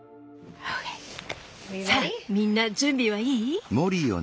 さあみんな準備はいい？